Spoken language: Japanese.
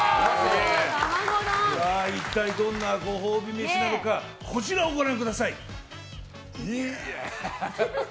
一体、どんなご褒美飯なのかこちらをご覧ください。